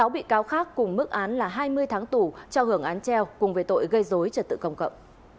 sáu bị cáo khác cùng mức án là hai mươi tháng tù cho hưởng án treo cùng về tội gây dối trật tự công cộng